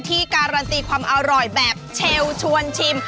การันตีความอร่อยแบบเชลชวนชิม